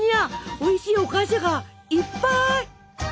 おいしいお菓子がいっぱい！